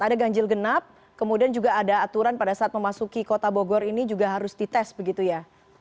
ada ganjil genap kemudian juga ada aturan pada saat memasuki kota bogor ini juga harus dites begitu ya